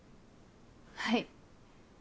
はい。